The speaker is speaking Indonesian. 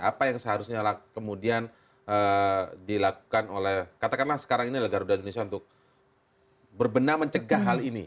apa yang seharusnya kemudian dilakukan oleh katakanlah sekarang ini adalah garuda indonesia untuk berbenah mencegah hal ini